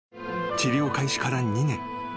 ［治療開始から２年。